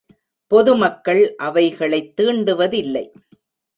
பொது மக்கள் அவைகளைத் தீண்டுவதில்லை.